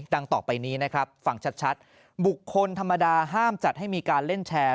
ต่อไปนี้นะครับฟังชัดบุคคลธรรมดาห้ามจัดให้มีการเล่นแชร์